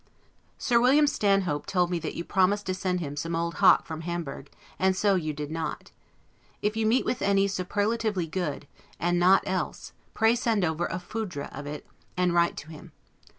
Sir William Stanhope told me that you promised to send him some Old Hock from Hamburg, and so you did not. If you meet with any superlatively good, and not else, pray send over a 'foudre' of it, and write to him.